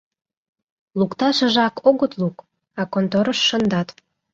Лукташыжак огыт лук, а конторыш шындат.